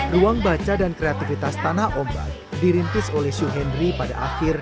ruang baca dan kreativitas tanah ombak dirintis oleh syuhendri pada akhir dua ribu empat belas